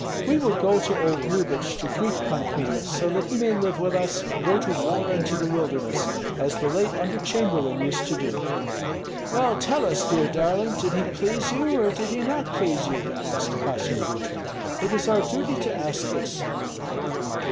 We will go to old Lyubich to greet Pan Kmita, so that he may live with us, go to war and to the wilderness, as the late under chamberlain used to do." "Well, tell us, dear darling, did he please you or did he not please you?" asked Kassyan Butrym. "It is our duty to ask this."